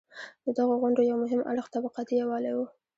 د دغو غونډو یو مهم اړخ طبقاتي یووالی و.